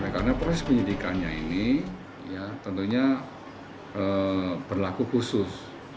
karena proses penyidikannya ini tentunya berlaku khusus